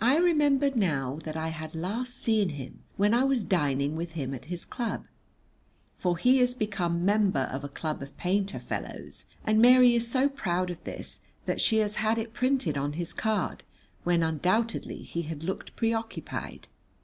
I remembered now that I had last seen him when I was dining with him at his club (for he is become member of a club of painter fellows, and Mary is so proud of this that she has had it printed on his card), when undoubtedly he had looked preoccupied.